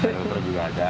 helikopter juga ada